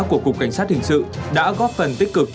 của cục cảnh sát hình sự đã góp phần tích cực